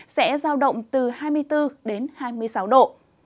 sẽ giao động từ hai mươi bốn hai mươi sáu độ